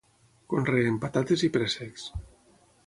Conreen patates i préssecs.